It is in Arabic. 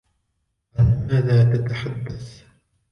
عن ماذا تتحدث؟